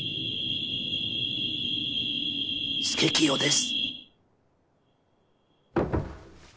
佐清です